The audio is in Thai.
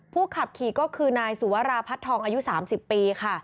ขับขี่ก็คือนายสุวราพัดทองอายุ๓๐ปีค่ะ